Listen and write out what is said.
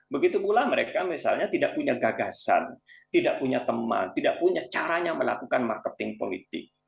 begitu pula mereka misalnya tidak punya gagasan tidak punya teman tidak punya caranya melakukan marketing politik